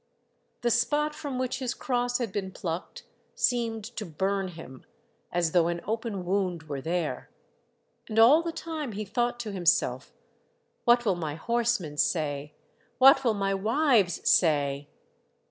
The spot from which his cross had been plucked seemed to burn him, as though an open wound were there. And all the time he thought to him self, What will my horsemen say ? What will my wives say